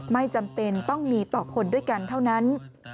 ไม่จำเป็นต้องมีต่อคนด้วยกันเท่านั้น